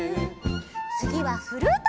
つぎはフルート！